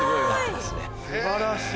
素晴らしい。